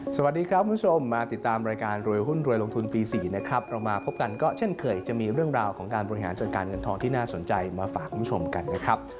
สวัสดีครับคุณผู้ชมมาติดตามรายการรวยหุ้นรวยลงทุนปี๔นะครับเรามาพบกันก็เช่นเคยจะมีเรื่องราวของการบริหารจัดการเงินทองที่น่าสนใจมาฝากคุณผู้ชมกันนะครับ